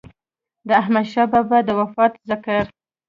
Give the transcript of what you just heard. د احمد شاه بابا د وفات ذکر